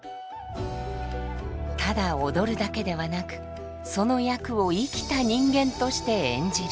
ただ踊るだけではなくその役を生きた人間として演じる。